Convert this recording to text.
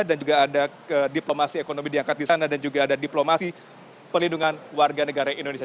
dan juga ada diplomasi ekonomi diangkat di sana dan juga ada diplomasi pelindungan warga negara indonesia